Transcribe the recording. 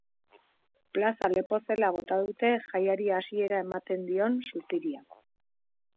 Plaza lepo zela bota dute jaiari hasiera ematen dion suziria.